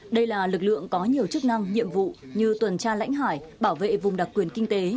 đây là lực lượng có nhiều chức năng nhiệm vụ như tuần tra lãnh hải bảo vệ vùng đặc quyền kinh tế